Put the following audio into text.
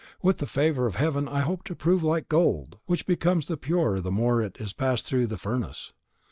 With the favour of heaven, I hope to prove like gold which becomes the purer the more it is passed through the furnace.